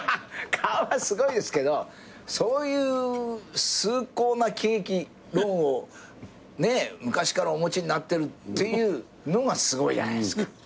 顔はすごいですけどそういう崇高な喜劇論を昔からお持ちになってるっていうのがすごいじゃないですか。